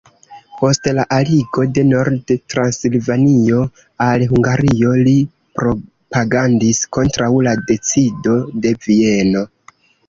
Post la aligo de Nord-Transilvanio al Hungario, li propagandis kontraŭ la decido de Vieno.